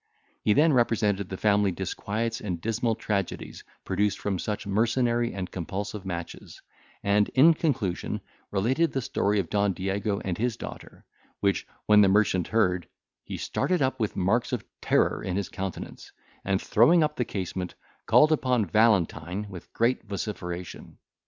He then represented the family disquiets and dismal tragedies produced from such mercenary and compulsive matches, and, in conclusion related the story of Don Diego and his daughter, which when the merchant heard, he started up with marks of terror in his countenance, and, throwing up the casement, called upon Valentine with great vociferation.